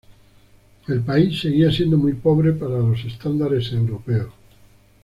El país seguía siendo muy pobre para los estándares europeos.